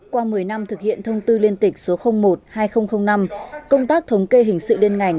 qua một mươi năm thực hiện thông tư liên tịch số một hai nghìn năm công tác thống kê hình sự liên ngành